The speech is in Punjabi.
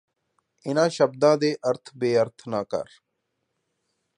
ਇਹਨਾਂ ਸ਼ਬਦਾਂ ਦੇ ਅਰਥ ਬੇਅਰਥ ਨਾ ਕਰ